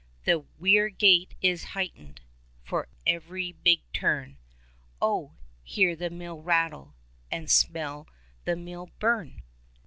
The weir gate is heightened. For ev'ry big turn. Oh ! hear the mill rattle, And smell the meal burn.